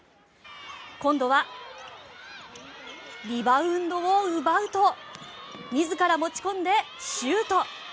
今度はリバウンドを奪うと自ら持ち込んで、シュート！